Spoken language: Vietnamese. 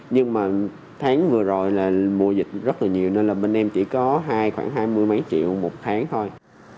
nhưng mà tháng vừa rồi là mùa dịch rất là nhiều nên là bên em chỉ có hai khoảng hai mươi mấy triệu một tháng thôi